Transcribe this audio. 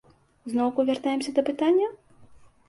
Зноўку вяртаемся да пытання?